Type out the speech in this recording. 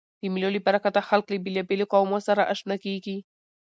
د مېلو له برکته خلک له بېلابېلو قومو سره آشنا کېږي.